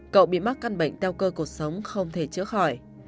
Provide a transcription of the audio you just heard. cậu bị mắc căn bệnh teo cơ cuộc sống không thể chữa khỏi